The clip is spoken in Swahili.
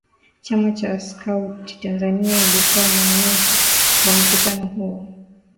Chama cha Skauti Tanzania ilikuwa mwenyeji wa mkutano huo